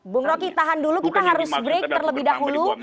bung roky tahan dulu kita harus break terlebih dahulu